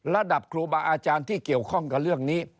ระดับครูบาอาจารย์ที่เกี่ยวข้องกับเรื่องนี้